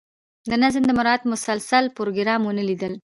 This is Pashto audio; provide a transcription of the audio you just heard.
د نظم د مراعات مسلسل پروګرام ونه لیدل.